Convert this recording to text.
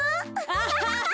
アハハハ。